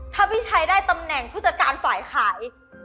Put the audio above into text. ถ้าพี่ชัยได้ตำแหน่งผู้จัดการฝ่ายขาย